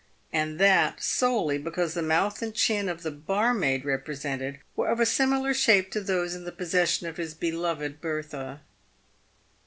and that solely because the mouth and chin of the barmaid repre sented were of a similar shape to those in the possession of his be loved Bertha.